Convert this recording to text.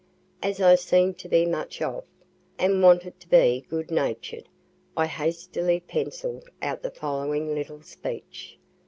As I seem'd to be made much of, and wanted to be good natured, I hastily pencill'd out the following little speech.